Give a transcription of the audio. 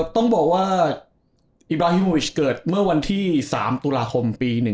ต้องบอกว่าอิบราฮิโมวิชเกิดเมื่อวันที่๓ตุลาคมปี๑๙